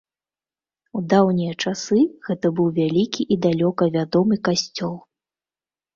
У даўнія часы гэта быў вялікі і далёка вядомы касцёл.